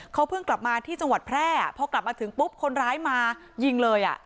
เขาเพิ่งกลับมาที่จังหวัดแพร่พอกลับมาถึงปุ๊บคนร้ายมายิงเลยอ่ะ